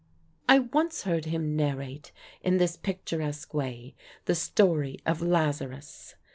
I once heard him narrate in this picturesque way the story of Lazarus.